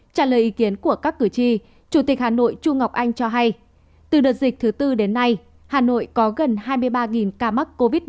trả lời ý kiến của các cử tri chủ tịch hà nội chu ngọc anh cho hay từ đợt dịch thứ tư đến nay hà nội có gần hai mươi ba ca mắc covid một mươi chín